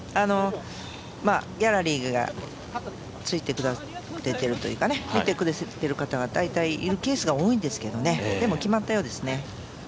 ギャラリーがついてくださってるというか見てくださっている方が大体いるケースが多いんですけどでも決まったようですね。